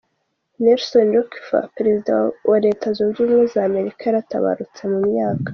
Nelson Rockefeller, perezida wa wa Leta zunze ubumwe za Amerika yaratabarutse, ku myaka .